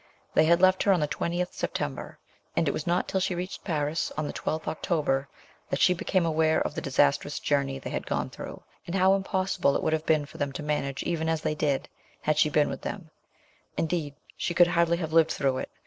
They had left her on the 20th September, and it was not till she reached Paris on the 12th October that she became aware of the disastrous journey they had gone through, and how impossible it would have been for them to manage even as they did, had she been with them ; indeed, she hardly could have Jived through it.